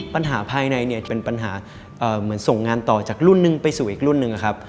ปัญหาภายในเนี่ยจะเป็นปัญหาเหมือนส่งงานต่อจากรุ่นนึงไปสู่อีกรุ่นหนึ่งอะครับ